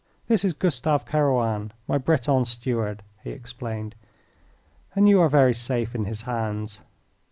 This is Gustav Kerouan, my Breton steward," he explained, "and you are very safe in his hands."